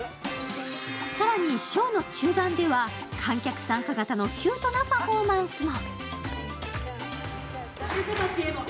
更にショーの中盤では観客参加型のキュートなパフォーマンスも。